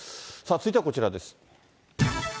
続いてはこちらです。